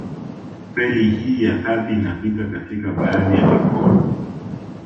Reli hii ya kati inapita katika baadhi ya mikoa